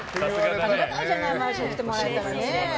ありがたいじゃない毎週来てもらえたら。